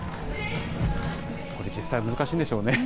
これ実際、難しいんでしょうね。